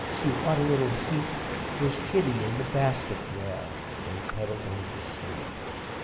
See what a little heap! Here's kittie in the bastik here, All cuddled down to sleep."